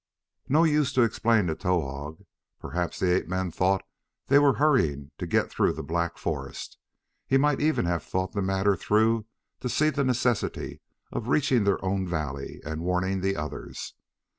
No use to explain to Towahg. Perhaps the ape man thought they were hurrying to get through the black forest; he might even have thought the matter through to see the necessity for reaching their own valley and warning the others.